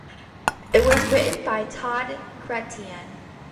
It was written by Todd Chretien.